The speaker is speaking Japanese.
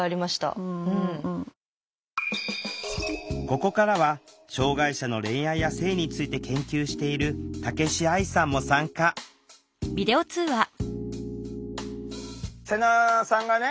ここからは障害者の恋愛や性について研究している武子愛さんも参加セナさんがね